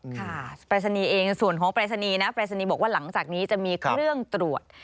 ค่ะปรายศนีย์เองส่วนของปรายศนีย์นะปรายศนีย์บอกว่าหลังจากนี้จะมีเครื่องตรวจ